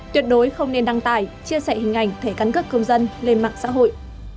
tuyệt đối không nên đăng tải chia sẻ hình ảnh thẻ căn cước công dân lên mạng xã hội